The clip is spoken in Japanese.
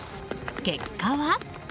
結果は。